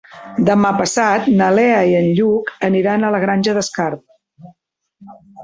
Demà passat na Lea i en Lluc aniran a la Granja d'Escarp.